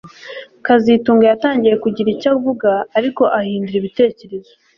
kazitunga yatangiye kugira icyo avuga ariko ahindura ibitekerezo